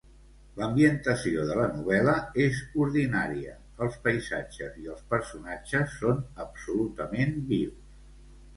L'ambientació de la novel·la és ordinària els paisatges i els personatges són absolutament vius.